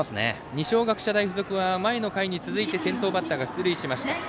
二松学舎大付属は前の回に続いて先頭バッターが出ました。